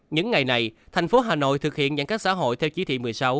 những ngày này thành phố hà nội thực hiện giãn cách xã hội theo chỉ thị một mươi sáu